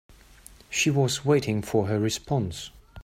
She was waiting for her response.